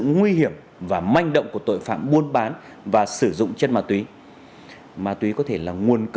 nhân dân việt nam